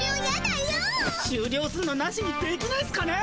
しゅうりょうすんのなしにできないっすかね。